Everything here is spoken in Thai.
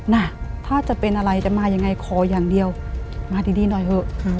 นะถ้าจะเป็นอะไรจะมายังไงขออย่างเดียวมาดีหน่อยเถอะ